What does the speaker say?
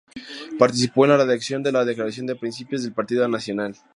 Participó en la redacción de la Declaración de Principios del Partido Nacional.